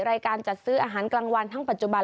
รายการจัดซื้ออาหารกลางวันทั้งปัจจุบัน